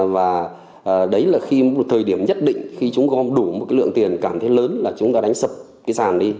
và đấy là khi một thời điểm nhất định khi chúng gom đủ một cái lượng tiền cảm thấy lớn là chúng ta đánh sập cái sàn đi